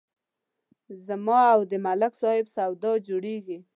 زما او د ملک صاحب سودا جوړېږي